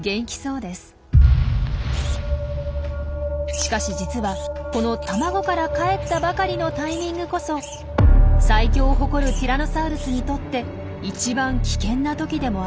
しかし実はこの卵からかえったばかりのタイミングこそ最強を誇るティラノサウルスにとって一番危険な時でもあるんです。